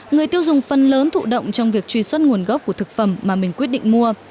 người tiêu dùng phần lớn thụ động trong việc truy xuất nguồn gốc của thực phẩm mà mình quyết định mua